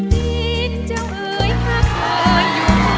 ตีนเจ้าเอ๋ยข้าเคยอยู่ในภาคม่อน